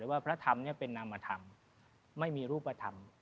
แต่ว่าพระธรรมนี้เป็นนามธรรมไม่มีรูปพระธรรม